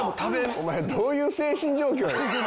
お前どういう精神状況？